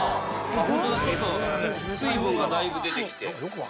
ホントだちょっと水分がだいぶ出てきて。